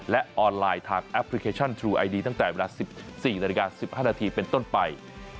และออนไลน์ทางแอปพลิเคชันทรูไอดีตั้งแต่เวลา๑๔นาฬิกา๑๕นาทีเป็นต้นไป